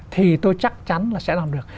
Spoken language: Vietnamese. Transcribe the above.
thì tôi chắc chắn là sẽ làm được